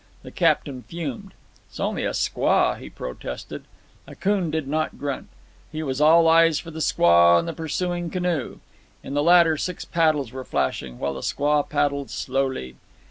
The captain fumed. "It's only a squaw," he protested. Akoon did not grunt. He was all eyes for the squaw and the pursuing canoe. In the latter six paddles were flashing, while the squaw paddled slowly.